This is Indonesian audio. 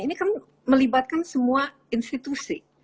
ini kan melibatkan semua institusi